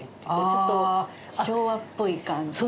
ちょっと昭和っぽい感じで。